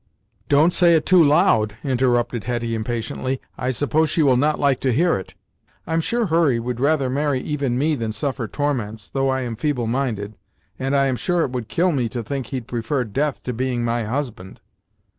"Don't say it too loud," interrupted Hetty impatiently; "I suppose she will not like to hear it. I'm sure Hurry would rather marry even me than suffer torments, though I am feeble minded; and I am sure it would kill me to think he'd prefer death to being my husband."